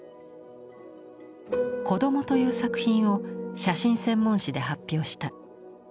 「こども」という作品を写真専門誌で発表した。